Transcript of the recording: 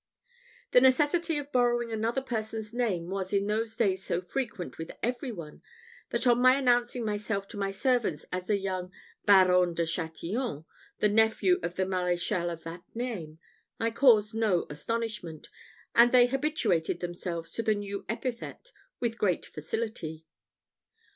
The necessity of borrowing another person's name was in those days so frequent with every one, that on my announcing myself to my servants as the young Baron de Chatillon, the nephew of the maréchal of that name, I caused no astonishment, and they habituated themselves to the new epithet with great facility.